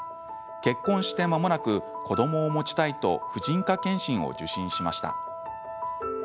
結婚してまもなく子どもを持ちたいと婦人科検診を受診しました。